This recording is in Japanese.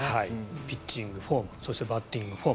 ピッチングフォームそして、バッティングフォーム。